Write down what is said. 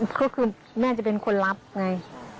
ก็คือแม่จะเป็นคนรับไง